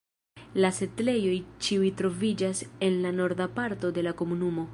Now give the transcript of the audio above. La setlejoj ĉiuj troviĝas en la norda parto de la komunumo.